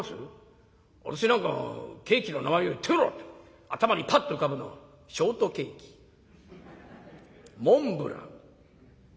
私なんかケーキの名前を言ってみろって頭にパッと浮かぶのはショートケーキモンブラン。